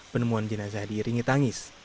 penemuan jenazah diri ini tangis